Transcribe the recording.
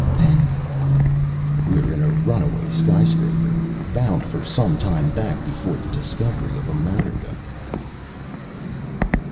"Then " "We're in a runaway skyscraper, bound for some time back before the discovery of America!"